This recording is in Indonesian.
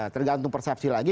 tergantung persepsi lagi